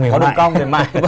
có đường cong thì mạnh